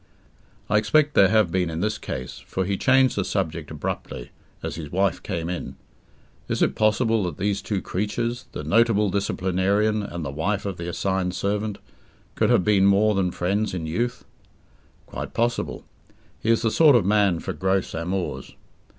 I expect there have been in this case, for he changed the subject abruptly, as his wife came in. Is it possible that these two creatures the notable disciplinarian and the wife of the assigned servant could have been more than friends in youth? Quite possible. He is the sort of man for gross amours.